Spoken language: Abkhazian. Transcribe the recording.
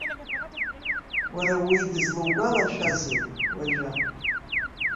Уара уи дызлаугәалашәазеи уажәы?